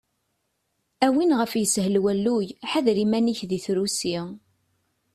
A win ɣef yeshel walluy, ḥader iman-ik di trusi!